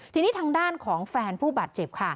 ทีนี้ทางด้านของแฟนผู้บาดเจ็บค่ะ